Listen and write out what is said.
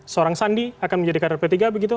seorang sandi akan menjadi kader p tiga begitu